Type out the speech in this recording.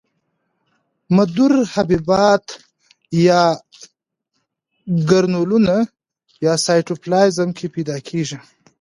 مدور حبیبات یا ګرنولونه په سایتوپلازم کې پیدا کیږي.